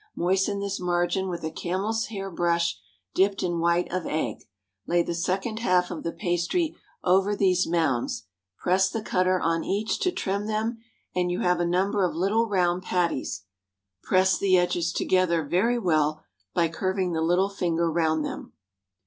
Moisten this margin with a camel's hair brush dipped in white of egg; lay the second half of the pastry over these mounds; press the cutter on each to trim them, and you have a number of little round patties; press the edges together very well by curving the little finger round them.